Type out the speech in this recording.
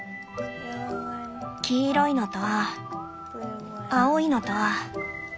黄色いのと青いのと。